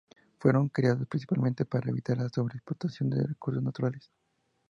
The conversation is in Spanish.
Fueron creadas principalmente para evitar la sobreexplotación de recursos naturales.